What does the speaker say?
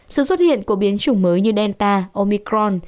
sự xuất hiện của biến chủng mới như delta omicron